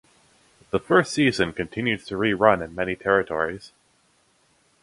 The first season continues to re-run in many territories.